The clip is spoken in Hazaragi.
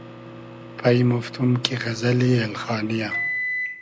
پݷمۉفتوم کی غئزئلی اېلخانی یۂ